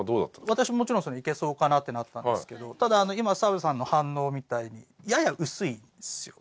私ももちろんいけそうかなってなったんですけどただ今の澤部さんの反応みたいにやや薄いんですよ。